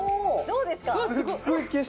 どうですか？